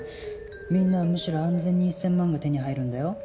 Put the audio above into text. みんなはむしろ安全に１０００万が手に入るんだよ。